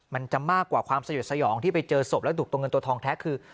มันจะมากกว่าความสยดสยองที่ไปเจอศพแล้วดุตัวเงินตัวทองแท้คือ